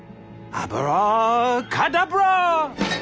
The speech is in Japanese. アブラカダブラ！